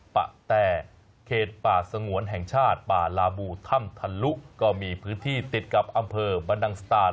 ปะแต่เขตป่าสงวนแห่งชาติป่าลาบูถ้ำทะลุก็มีพื้นที่ติดกับอำเภอบรรดังสตาน